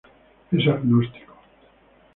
Es agnóstico.